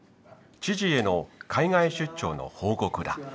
知事への海外出張の報告だ。